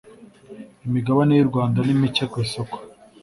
imigabane Y’ u Rwanda nimike kwisoko.